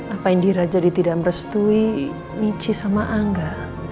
apa yang diraja ditidam restui michi sama angga